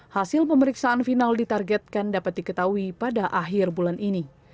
hasil pemeriksaan final ditargetkan dapat diketahui pada akhir bulan ini